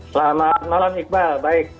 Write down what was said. selamat malam iqbal baik